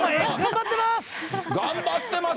頑張ってます！